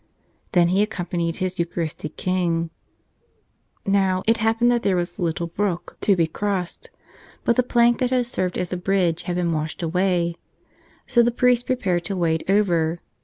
Then he accompanied his Eucharistic King. Now, it happened that there was a little brook to be 127 "Tell Us Another /"*»' crossed. But the plank that had served as a bridge had been washed away. So the priest prepared to wade over.